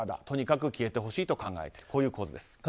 とにかく消えてほしいと考えている、こういう構図です。